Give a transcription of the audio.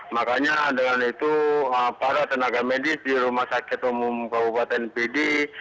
makanya dengan itu para tenaga medis di rumah sakit umum kabupaten pd